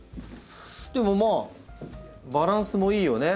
でもまあバランスもいいよね